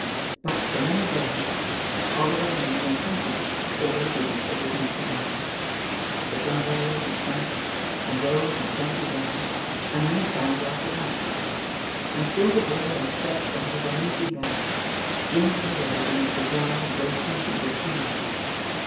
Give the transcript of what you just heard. But, for many days, Oliver remained insensible to all the goodness of his new friends. The sun rose and sank, and rose and sank again, and many times after that; and still the boy lay stretched on his uneasy bed, dwindling away beneath the dry and wasting heat of fever.